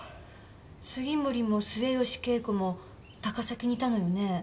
杉森も末吉恵子も高崎にいたのにね。